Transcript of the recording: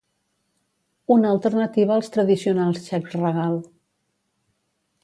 una alternativa als tradicionals xecs regal